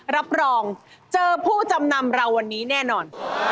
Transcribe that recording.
รับรองเจอผู้จำนำเราวันนี้แน่นอน